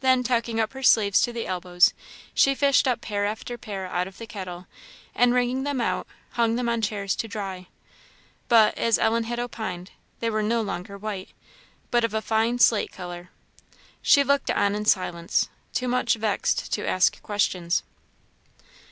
Then tucking up her sleeves to the elbows, she fished up pair after pair out of the kettle, and wringing them out, hung them on chairs to dry. But, as Ellen had opined, they were no longer white, but of a fine slate colour. She looked on in silence, too much vexed to ask questions.